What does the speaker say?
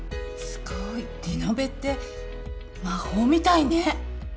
すごいリノベって魔法みたいね。